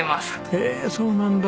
へえそうなんだ。